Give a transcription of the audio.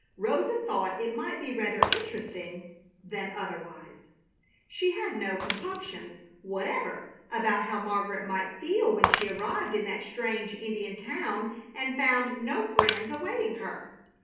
Rosa thought it might be rather interesting than otherwise. She had no compunctions whatever about how Margaret might feel when she arrived in that strange Indian town and found no friends awaiting her.